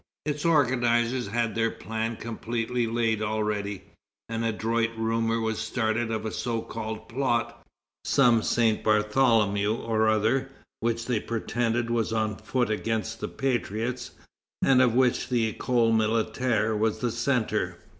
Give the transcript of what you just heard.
Its organizers had their plan completely laid already. An adroit rumor was started of a so called plot, some Saint Bartholomew or other, which they pretended was on foot against the patriots, and of which the École Militaire was the centre.